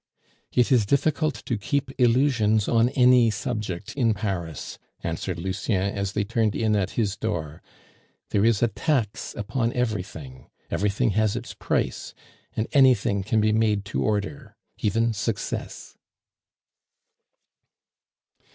"It is difficult to keep illusions on any subject in Paris," answered Lucien as they turned in at his door. "There is a tax upon everything everything has its price, and anything can be made to order even success."